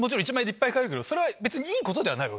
それは別にいいことではない。